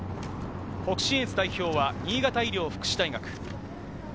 北信越代表は新潟医療福祉大学。